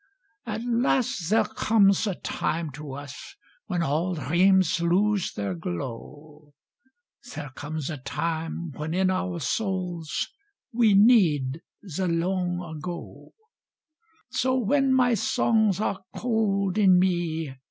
At last there comes a time to us Yi^en all dreams lose their glow; There comes a time when in our souls We need the long ago; So when my songs are cold in me.